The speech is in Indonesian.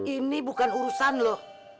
ini bukan urusan lo